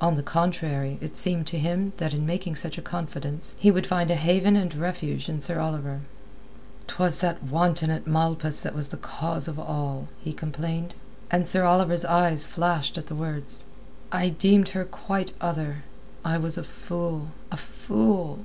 On the contrary, it seemed to him that in making such a confidence, he would find a haven and refuge in Sir Oliver. "'Twas that wanton at Malpas was the cause of all," he complained. And Sir Oliver's eye flashed at the words. "I deemed her quite other; I was a fool, a fool!